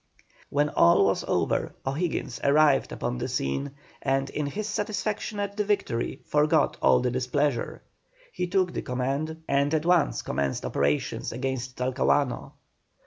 When all was over O'Higgins arrived upon the scene, and in his satisfaction at the victory forgot all his displeasure. He took the command, and at once commenced operations against Talcahuano.